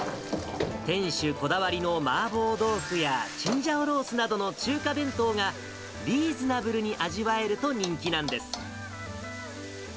店主こだわりの麻婆豆腐やチンジャオロースなどの中華弁当が、リーズナブルに味わえると人気なんです。